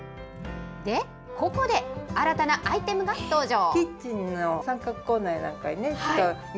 で、ここで新たなアイテムが登場。